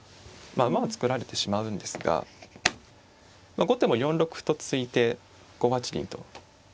まあ馬を作られてしまうんですが後手も４六歩と突いて５八銀と。